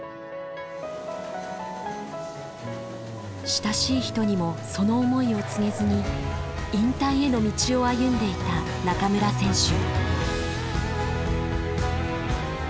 私親しい人にもその思いを告げずに引退への道を歩んでいた中村選手。